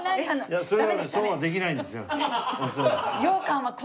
いやそれはそうはできないんですよ。